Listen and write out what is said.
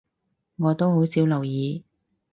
我都好少留意